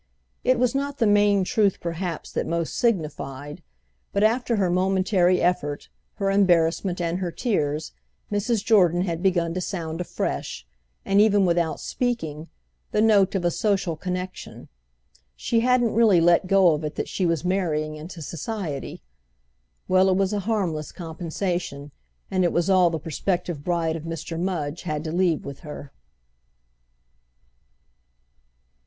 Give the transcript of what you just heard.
It was not the main truth perhaps that most signified; but after her momentary effort, her embarrassment and her tears Mrs. Jordan had begun to sound afresh—and even without speaking—the note of a social connexion. She hadn't really let go of it that she was marrying into society. Well, it was a harmless compensation, and it was all the prospective bride of Mr. Mudge had to leave with her.